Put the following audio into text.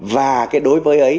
và cái đối với ấy